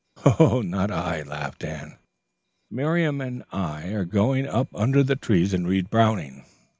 "Not I," laughed Anne. "Miriam and I are going up under the trees and read Browning."